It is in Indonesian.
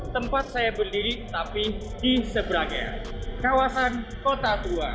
tempat saya berdiri tapi di seberangnya kawasan kota tua